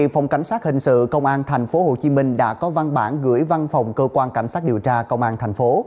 phòng cảnh sát hình sự công an thành phố hồ chí minh đã có văn bản gửi văn phòng cơ quan cảnh sát điều tra công an thành phố